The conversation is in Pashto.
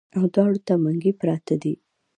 او دواړو ته منګي پراتۀ دي